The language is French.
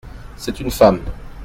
C'est une femme.